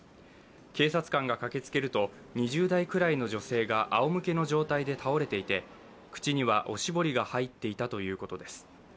警察官が駆けつけると２０代ぐらいの女性が仰向けの状態で倒れていて、国にはおしぼりが入っていたということです。